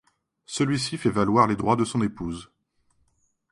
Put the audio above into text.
Celui-ci fait valoir les droits de son épouse.